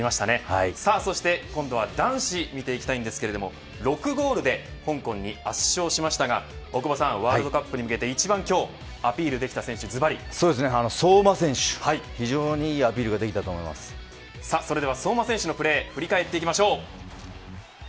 そして今度は、男子見ていきたいんですけれど６ゴールで香港に圧勝しましたがワールドカップに向けて一番今日アピール選手した相馬選手、非常にいいそれでは相馬選手のプレー振り返っていきましょう。